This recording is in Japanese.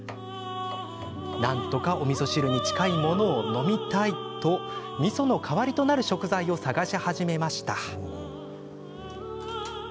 なんとかおみそ汁に近いものを飲みたいとみその代わりとなる食材を探し始めました。